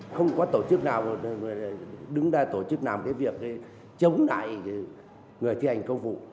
không có tổ chức nào đứng ra tổ chức làm cái việc chống lại người thi hành công vụ